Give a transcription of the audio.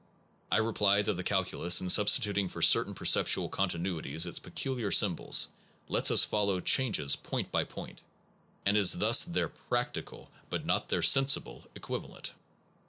I reply that the calculus, in substituting for cer tain perceptual continuities its peculiar symbols, lets us follow changes point by point, and is thus their practical, but not their sensible equiv alent.